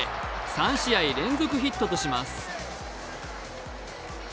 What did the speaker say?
３試合連続ヒットとします。